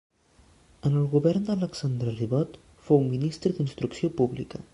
En el govern d'Alexandre Ribot fou ministre d'instrucció pública.